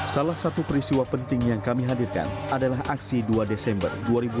salah satu peristiwa penting yang kami hadirkan adalah aksi dua desember dua ribu dua puluh